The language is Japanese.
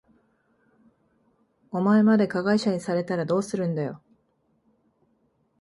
お前まで加害者にされたらどうするんだよ。